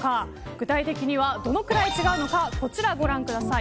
具体的にはどのくらい違うのかこちらご覧ください。